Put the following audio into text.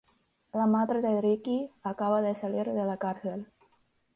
La madre de Ricky acaba de salir de la cárcel.